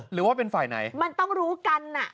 หรือว่าเป็นฝ่ายไหนมันต้องรู้กันอ่ะ